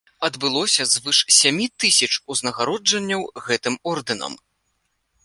Адбылося звыш сямі тысяч узнагароджанняў гэтым ордэнам.